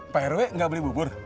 prw gak beli bubur